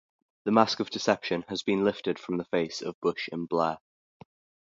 The mask of deception has been lifted from the face of Bush and Blair.